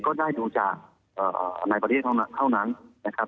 ได้ดูจากในประเทศเท่านั้นนะครับ